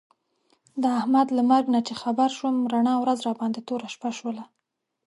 د احمد له مرګ نه چې خبر شوم، رڼا ورځ راباندې توره شپه شوله.